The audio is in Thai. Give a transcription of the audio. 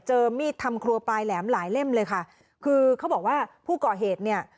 มีดทำครัวปลายแหลมหลายเล่มเลยค่ะคือเขาบอกว่าผู้ก่อเหตุเนี่ย